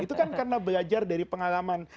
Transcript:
itu kan karena belajar dari pengalaman